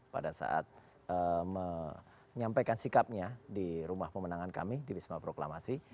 pada saat menyampaikan sikapnya di rumah pemenangan kami di wisma proklamasi